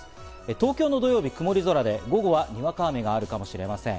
東京の土曜日は曇り空で、午後はにわか雨があるかもしれません。